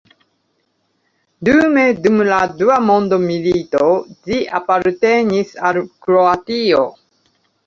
Dume dum la Dua Mondmilito ĝi apartenis al Kroatio.